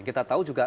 kita tahu juga